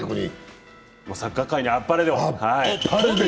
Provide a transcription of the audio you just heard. サッカー界にあっぱれを。